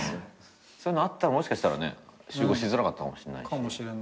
そういうのあったらもしかしたらね集合しづらかったかもしれないし。